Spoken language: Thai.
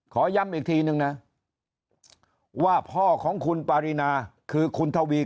ขอย้ำอีกทีนึงนะว่าพ่อของคุณปารีนาคือคุณทวี